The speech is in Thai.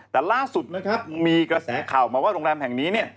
แต่ล่าสุดมีกระแสข่าวมาว่าโรงแรมแห่งนี้